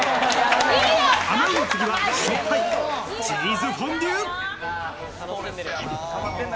甘いの次はしょっぱいチーズフォンデュ。